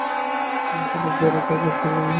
পথের ধারে কি আর গাছ ছিল না।